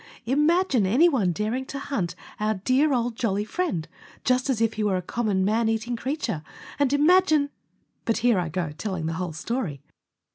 Imagine anyone daring to hunt our dear old jolly friend, just as if he were a common, man eating creature, and imagine —! But here I go telling the whole story.